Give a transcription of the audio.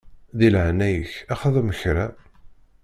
Di leɛnaya-k xdem kra.